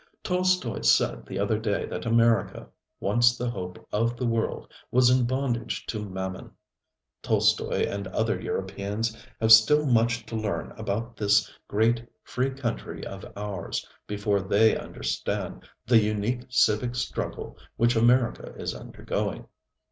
Tolstoi said the other day that America, once the hope of the world, was in bondage to Mammon. Tolstoi and other Europeans have still much to learn about this great, free country of ours before they understand the unique civic struggle which America is undergoing.